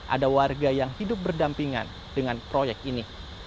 ada warga yang hidup berdampingan dengan proyek ini